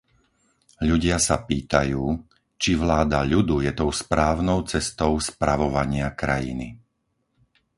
Ľudia sa pýtajú, či vláda ľudu je tou správnou cestou spravovania krajiny.